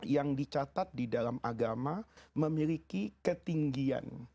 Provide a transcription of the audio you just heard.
yang dicatat di dalam agama memiliki ketinggian